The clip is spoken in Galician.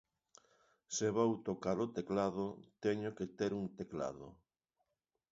Se vou tocar o teclado, teño que ter un teclado.